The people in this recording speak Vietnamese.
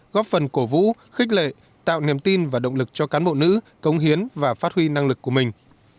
góp phần cổ vũ khích lệ tạo niềm tin và động lực cho cán bộ nữ công hiến và phát huy năng lực của mình